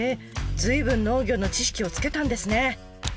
随分農業の知識をつけたんですね。